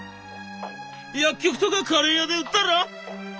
薬局とかカレー屋で売ったら？」。